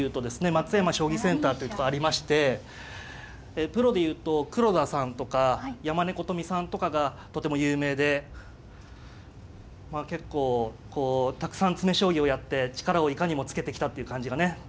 松山将棋センターというとこありましてプロで言うと黒田さんとか山根ことみさんとかがとても有名でまあ結構たくさん詰将棋をやって力をいかにもつけてきたっていう感じがね